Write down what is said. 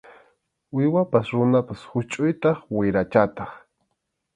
Uywapas runapas huchʼuytaq wirachataq.